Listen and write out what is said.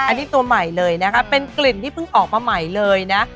อันนี้ตัวใหม่เลยนะคะเป็นกลิ่นที่เพิ่งออกมาใหม่เลยนะ